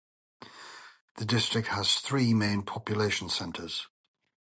The district has three main population centres.